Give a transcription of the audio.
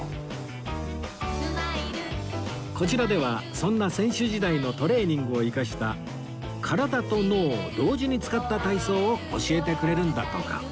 こちらではそんな選手時代のトレーニングを生かした体と脳を同時に使った体操を教えてくれるんだとか